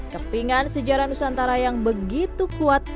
kepingan sejarah nusantara yang begitu kuat